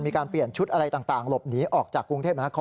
มีการเปลี่ยนชุดอะไรต่างหลบหนีออกจากกรุงเทพมหานคร